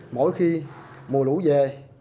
mỗi khi mùa lũ về